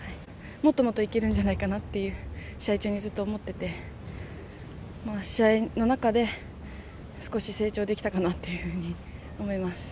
もっともっといけるんじゃないかなって試合中にずっと思ってて試合の中で少し成長できたかなっていうふうに思います。